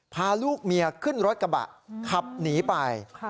พาลูกเมียขึ้นรถกระบะขับหนีไป